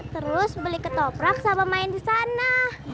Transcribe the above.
terus beli ketoprak sama main disana